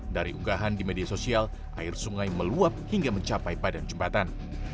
dari unggahan di media sosial air sungai meluap hingga mencapai badan jembatan